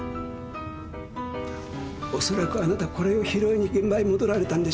おそらくあなたこれを拾いに現場に戻られたんでしょう？